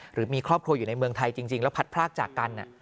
หรือมีครอบครัวอยู่ในเมืองไทยจริงแล้วพัดพรากจากกัน